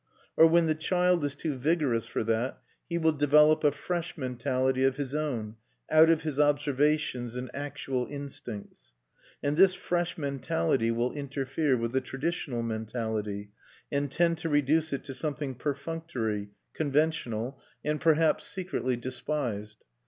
Or when the child is too vigorous for that, he will develop a fresh mentality of his own, out of his observations and actual instincts; and this fresh mentality will interfere with the traditional mentality, and tend to reduce it to something perfunctory, conventional, and perhaps secretly despised.